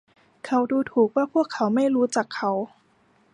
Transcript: เขาดูถูกว่าพวกเขาไม่รู้จักเขา